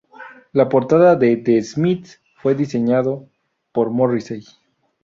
La portada de The Smiths fue diseñado por Morrissey.